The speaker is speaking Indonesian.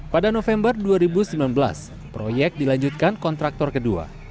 pada november dua ribu sembilan belas proyek dilanjutkan kontraktor kedua